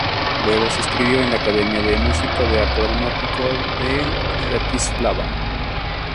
Luego se inscribió en la Academia de Música y Arte Dramático de Bratislava.